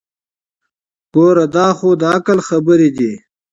ګوره دا خو دعقل خبرې دي.